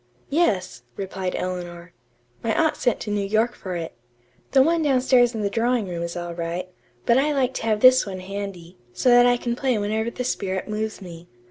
"Yes," replied Eleanor. "My aunt sent to New York for it. The one downstairs in the drawing room is all right, but I like to have this one handy, so that I can play whenever the spirit moves me.